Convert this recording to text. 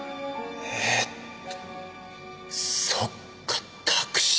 えっとそっかタクシー乗り場だ！